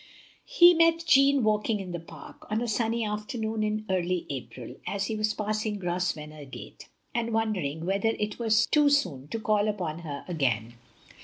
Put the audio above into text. He met Jeanne walking in the Park, on a sunny afternoon in early April, as he was passing Grosvenor Gate, and wondering whether it were too soon to call upon her again.